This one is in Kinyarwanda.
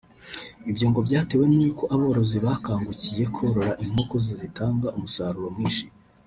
Ibyo ngo byatewe n’uko aborozi bakangukiye korora inkoko zitanga umusaruro mwinshi